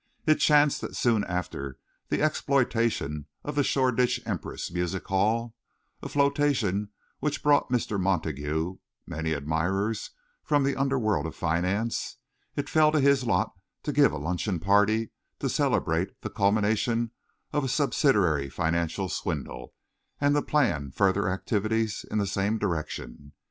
It chanced that soon after the exploitation of the Shoreditch Empress Music Hall, a flotation which brought Mr. Montague many admirers from the underworlds of finance, it fell to his lot to give a luncheon party to celebrate the culmination of a subsidiary financial swindle and to plan further activities in the same direction.